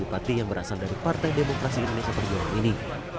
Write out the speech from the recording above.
bupati yang berasal dari partai demokrasi indonesia perjuangan ini